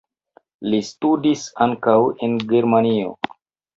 Li studis ankaŭ en Germanio.